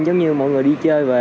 giống như mọi người đi chơi về